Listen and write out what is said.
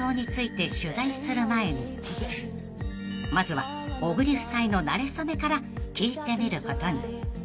［まずは小栗夫妻のなれ初めから聞いてみることに］